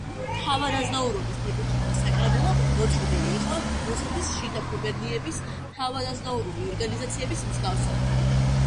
თავადაზნაურობის დეპუტატთა საკრებულო მოწყობილი იყო რუსეთის შიდა გუბერნიების თავადაზნაურული ორგანიზაციების მსგავსად.